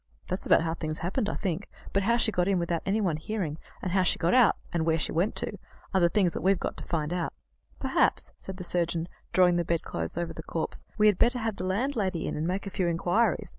That's about how things happened, I think, but how she got in without anyone hearing, and how she got out, and where she went to, are the things that we've got to find out." "Perhaps," said the surgeon, drawing the bedclothes over the corpse, "we had better have the landlady in and make a few inquiries."